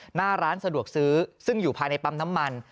หน้าร้านสะดวกซื้อซึ่งอยู่ภายในปั๊มน้ำมัน